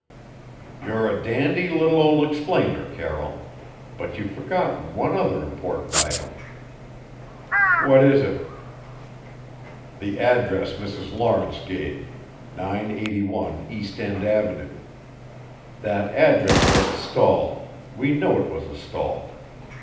"You're a dandy little ol' explainer, Carroll. But you've forgotten one other important item." "What is it?" "The address Mrs. Lawrence gave 981 East End avenue. That address was a stall we know it was a stall.